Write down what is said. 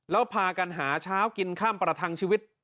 แล้วพากันหาเช้ากินข้ามประทังชีวิต